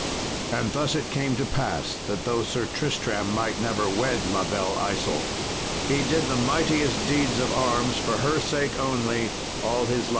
And thus it came to pass that though Sir Tristram might never wed La Belle Isault, he did the mightiest deeds of arms for her sake only all his life.